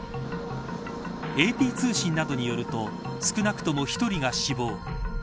ＡＰ通信などによると少なくとも１人が死亡。